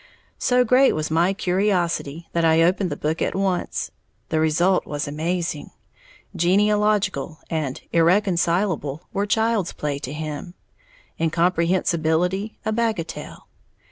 So great was my curiosity that I opened the book at once. The result was amazing, "genealogical" and "irreconcilable" were child's play to him, "incomprehensibility," a bagatelle.